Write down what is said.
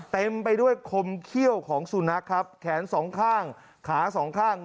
เต็มไปด้วยคมเขี้ยวของสุนัขครับแขนสองข้างขาสองข้าง